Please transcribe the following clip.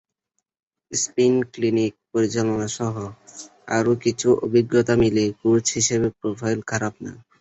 Spin clinic পরিচালনাসহ আরও কিছু অভিজ্ঞতা মিলিয়ে কোচ হিসেবে প্রোফাইল খারাপ না।